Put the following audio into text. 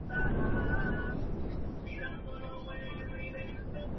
Durante su gestión la universidad alcanzó el título de Pontificia.